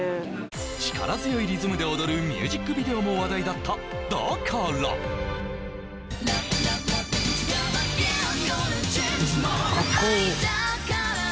力強いリズムで踊るミュージックビデオも話題だったＬｏｖｅ×２Ｌｏｖｉｎ